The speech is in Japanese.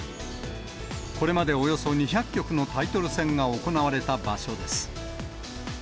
これまでおよそ２００局のタイトル戦が行われた場所です。